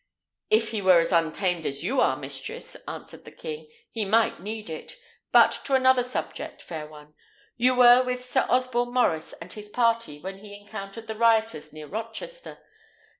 "If he were as untamed as you are, mistress," answered the king, "he might need it. But to another subject, fair one. You were with Sir Osborne Maurice and his party when he encountered the rioters near Rochester.